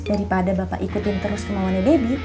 daripada bapak ikutin terus kemauannya debbie